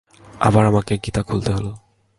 আবার আমাকে গীতা খুলতে হল।